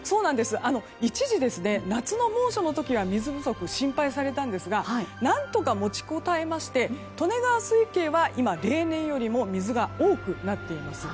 一時、夏の猛暑の時には水不足が心配されたんですが何とか持ち耐えまして利根川水系は例年よりも水が多くなっています。